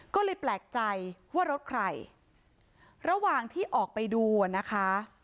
ก็เลยแปลกใจว่ารถใครระหว่างที่ออกไปดูอ่ะนะคะ